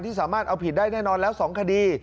สามารถเอาผิดได้แน่นอนแล้ว๒คดี